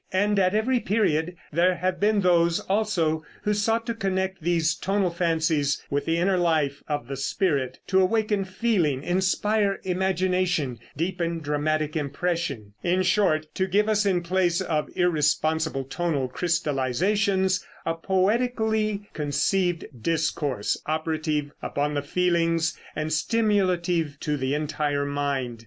And at every period there have been those also who sought to connect these tonal fancies with the inner life of the spirit to awaken feeling, inspire imagination, deepen dramatic impression; in short, to give us in place of irresponsible tonal crystallizations a poetically conceived discourse, operative upon the feelings and stimulative to the entire mind.